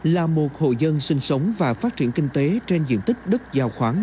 là một hộ dân sinh sống và phát triển kinh tế trên diện tích đất giao khoáng sản